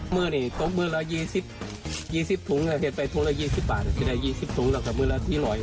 มื้อนี่ต้นมื้อละ๒๐ถุงเห็นไปถุงละ๒๐บาทจะได้๒๐ถุงแต่มื้อละ๒๐๐